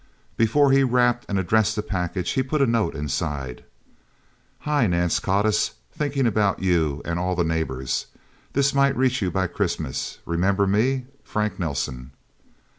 Before he wrapped and addressed the package, he put a note inside: "Hi, Nance Codiss! Thinking about you and all the neighbors. This might reach you by Christmas. Remember me? Frank Nelsen."